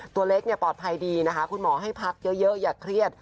ตัวเล็กปลอดภัยดีนะคะคุณหมอให้พักเยอะอย่าเครียด